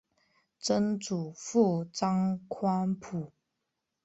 曾祖父张宽甫。